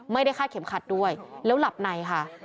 ไม่ได้คาดเข็มขัดด้วยแล้วหลับในค่ะ